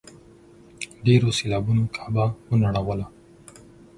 ډېرو سېلابونو کعبه ونړېده.